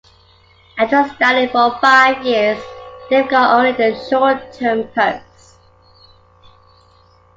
After studying for five years, David got only a short-term post.